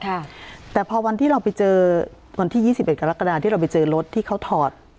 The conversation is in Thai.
ค่ะแต่พอวันที่เราไปเจอวันที่ยี่สิบเอ็ดกรกฎาที่เราไปเจอรถที่เขาถอด